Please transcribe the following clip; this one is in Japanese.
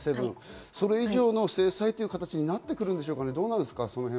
それ以上の制裁という形になってくるんでしょうか？